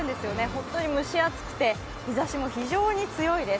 本当に蒸し暑くて日ざしも非常に強いです。